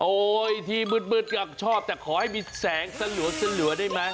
โอ้ยที่มืดมืดก็ชอบแต่ขอให้มีแสงสะเหลือได้ไหม